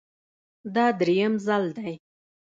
دا درېیم ځل دی